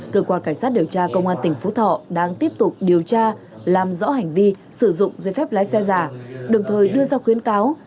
cơ quan cảnh sát điều tra công an tỉnh phú thọ đang tiếp tục điều tra làm rõ hành vi sử dụng dây phép lái xe giả đồng thời đưa ra khuyến cáo